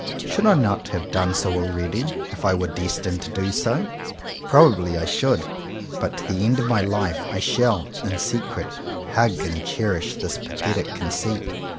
Should I not have done so already, if I were destined to do so? Probably I should; but to the end of my life I shall, in secret, hug and cherish this pathetic conceit.